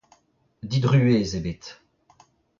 Didruez eo bet.